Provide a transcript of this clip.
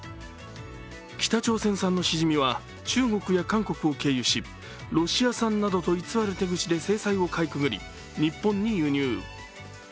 北朝鮮産のしじみは中国や韓国を経由しロシア産などと偽る手口で制裁をかいくぐり日本に輸入。